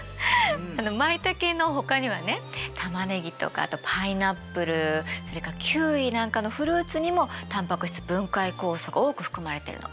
マイタケのほかにはねタマネギとかあとパイナップルそれからキウイなんかのフルーツにもタンパク質分解酵素が多く含まれてるの。